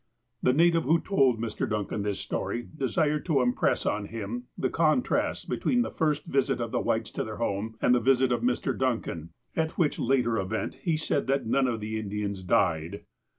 The native who told Mr. Duncan this story desired to impress on him the contrast between the first visit of the Whites to their home, and the visit of Mr. Duncan, at which latter event he said that none of the Indians " died."